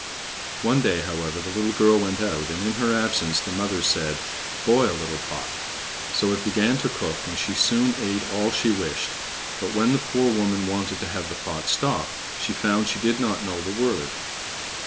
One day, however, the little girl went out, and in her absence the mother said: "Boil, little pot!" So it began to cook, and she soon ate all she wished; but when the poor woman wanted to have the pot stop, she found she did not know the word.